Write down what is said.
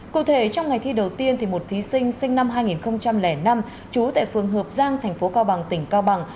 cụ thể trong ngày thi đầu tiên một thí sinh sinh năm hai nghìn năm trú tại phường hợp giang thành phố cao bằng tỉnh cao bằng